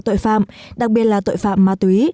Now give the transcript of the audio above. tội phạm đặc biệt là tội phạm ma túy